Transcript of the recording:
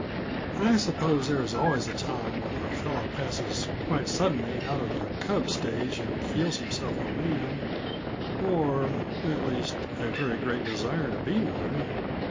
I suppose there is always a time when a fellow passes quite suddenly out of the cub stage and feels himself a man or, at least, a very great desire to be one.